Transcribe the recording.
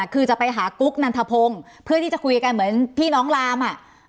คือจะไปหากุ๊กนันทพงศ์เพื่อที่จะคุยกันเหมือนพี่น้องลามอ่ะ